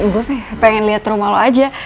gue pengen liat rumah lo aja